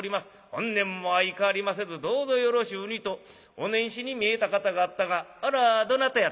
本年も相変わりませずどうぞよろしゅうに』とお年始に見えた方があったがあれはどなたやったな？」。